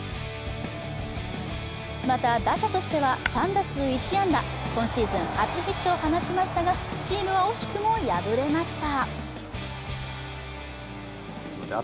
また、打者としては３打数１安打、今シーズン初ヒットを放ちましたがチームは惜しくも敗れました。